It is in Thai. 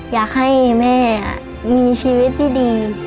อยากให้แม่มีชีวิตที่ดี